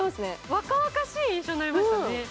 若々しい印象になりましたね。